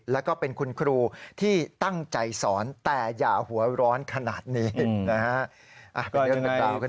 แล้วก็เป็นคุณครูที่ตั้งใจสอนแต่อย่าหัวร้อนขนาดนี้นะฮะ